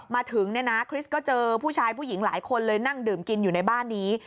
มาถึงเนี่ยนะคริสก็เจอผู้ชายผู้หญิงหลายคนเลยนั่งดื่มกินอยู่ในบ้านนี้